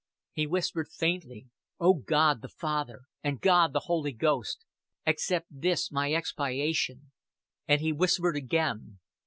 He whispered faintly: "O God the Father and God the Holy Ghost, accept this my expiation." And he whispered again.